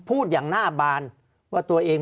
ภารกิจสรรค์ภารกิจสรรค์